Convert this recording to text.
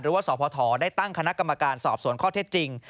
หรือว่าสพได้ตั้งคณะกรรมการสอบสวนข้อเท็จจริง